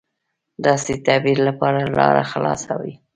داسې تعبیر لپاره لاره خلاصه وي.